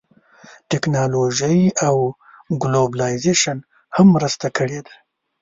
ټیکنالوژۍ او ګلوبلایزېشن هم مرسته کړې ده